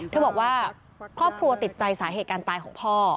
บอกว่าครอบครัวติดใจสาเหตุการตายของพ่อ